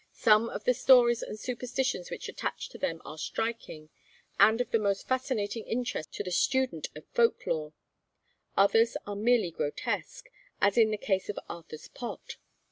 Some of the stories and superstitions which attach to them are striking, and of the most fascinating interest to the student of folk lore; others are merely grotesque, as in the case of Arthur's Pot.